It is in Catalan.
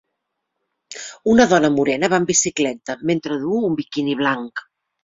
Una dona morena va en bicicleta mentre du un biquini blanc.